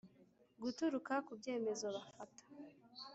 Guturuka ku byemezo bafata